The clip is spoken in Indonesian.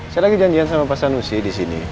saya lagi janjian sama pak sanusi di sini